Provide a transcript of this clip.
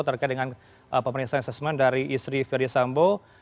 terkait dengan pemeriksaan assessment dari istri ferdis sambo